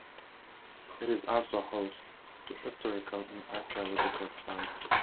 It is also host to historical and archaeological sites.